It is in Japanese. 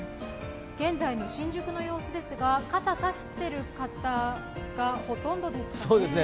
現在の新宿の様子ですが、傘を差している方がほとんどですかね。